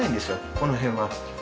この辺は。